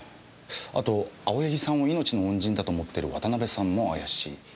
あと青柳さんを命の恩人だと思っている渡辺さんも怪しい。